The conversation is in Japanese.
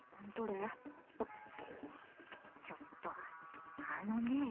ちょっとあのねぇ